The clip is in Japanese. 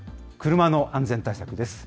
車の安全対策です。